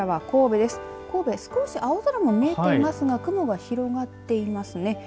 神戸、少し青空も見えてますが雲が広がってますね。